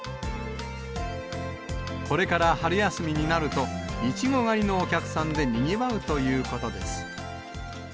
これから春休みになると、いちご狩りのお客さんでにぎわうということです。